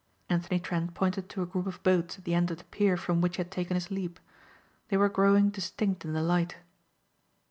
Anthony Trent pointed to a group of boats at the end of the pier from which he had taken his leap. They were growing distinct in the light.